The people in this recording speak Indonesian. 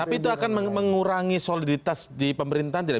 tapi itu akan mengurangi soliditas di pemerintahan tidak